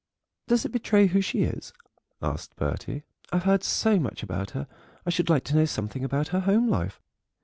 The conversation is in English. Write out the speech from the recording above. "Does it betray who she is?" asked Bertie; "I've heard so much about her, I should like to know something about her home life.